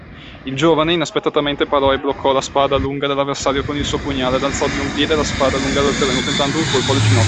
Il giovane, inaspettatamente, parò e bloccò la spada lunga dell’avversario con il suo pugnale, ed alzò di un piede la spada lunga dal terreno, tentando un colpo alle ginocchia.